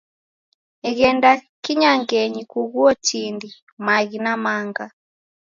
Ghenda kinyangenyi kughuo tindi, maghi na manga